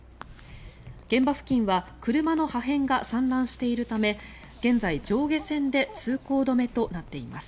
現場付近は車の破片が散乱しているため現在、上下線で通行止めとなっています。